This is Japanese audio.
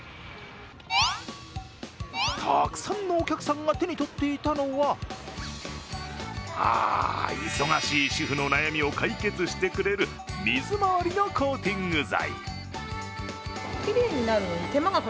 たくさんのお客さんが手に取っていたのは忙しい主婦の悩みを解決してくれる水回りのコーティング剤。